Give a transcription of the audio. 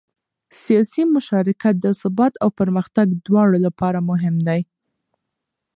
سیاسي مشارکت د ثبات او پرمختګ دواړو لپاره مهم دی